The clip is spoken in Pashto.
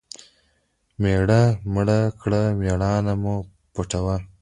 مېړه مړ کړه مېړانه مه پوټوه .